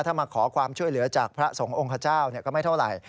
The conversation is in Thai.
ถ้ามาขอความช่วยเหลือจากพระสงฆ์ขเจ้าก็ไม่เท่าไหร่